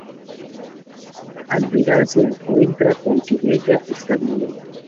Al llegar se encuentra con que Bella está bien.